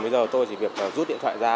bây giờ tôi chỉ việc rút điện thoại ra